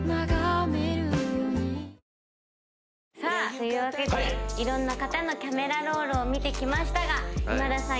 というわけでいろんな方のキャメラロールを見てきましたが今田さん